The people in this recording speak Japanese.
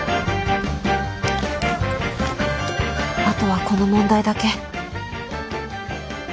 あとはこの問題だけ。